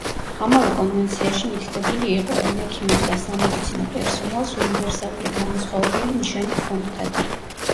ამავე კონვენციაში მითითებული იყო, რომ ექიმებს და სამედიცინო პერსონალს უნივერსალური განმასხვავებელი ნიშანი ჰქონოდათ.